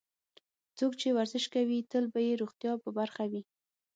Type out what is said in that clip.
څوک چې ورزش کوي، تل به یې روغتیا په برخه وي.